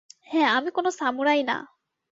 হ্যা আমি কোন সামুরাই না!